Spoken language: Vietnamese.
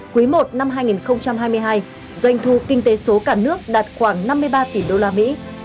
quý i năm hai nghìn hai mươi hai doanh thu kinh tế số cả nước đạt khoảng năm mươi ba tỷ đô la mỹ